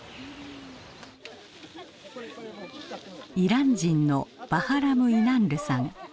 イラン人のバハラム・イナンルさん。